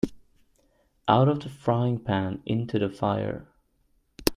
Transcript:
Out of the frying pan into the fire.